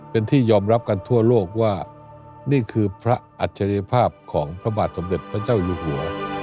เป็นที่ยอมรับกันทั่วโลกว่านี่คือพระอัจฉริยภาพของพระบาทสมเด็จพระเจ้าอยู่หัว